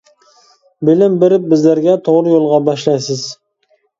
بىلىم بېرىپ بىزلەرگە، توغرا يولغا باشلايسىز.